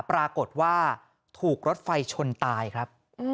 ปรากฏว่าถูกรถไฟชนตายครับ